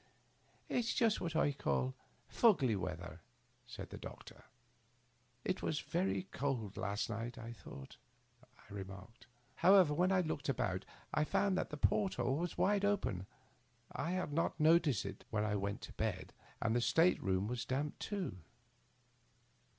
"It's just what I call fuggly weather," replied the doctor. " It was very cold last night, I thought," I remarked. " However, when I looked about, I found that the port hole was wide open. I had not noticed ft when I went to bed. And the state room was damp, too."